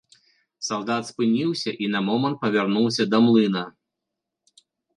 Салдат спыніўся і на момант павярнуўся да млына.